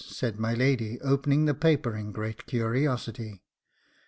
said my lady, opening the paper in great curiosity.